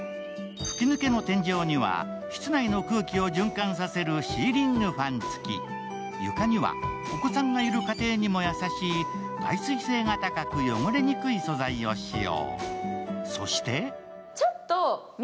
吹き抜けの天井には室内の空気を循環させるシーリングファン付き、床にはお子さんがいるご家庭にも優しい耐水性が高く汚れにくい素材を使用。